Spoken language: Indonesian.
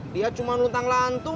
dia cuma luntang lantung